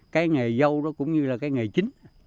cái nghề dâu đó cũng như là cái nghề chính